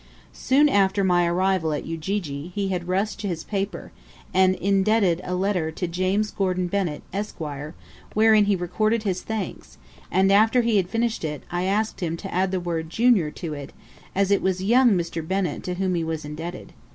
Soon after my arrival at Ujiji, he had rushed to his paper, and indited a letter to James Gordon Bennett, Esq., wherein he recorded his thanks; and after he had finished it, I asked him to add the word "Junior" to it, as it was young Mr. Bennett to whom he was indebted.